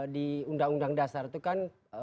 di undang undang dasar itu kan